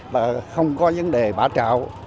mà không có vấn đề bã trạo